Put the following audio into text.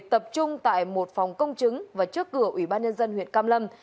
tập trung tại một phòng công chứng và trước cửa ubnd huyện cam lâm